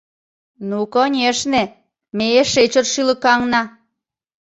Ну, конешне, ме эше чот шӱлыкаҥна.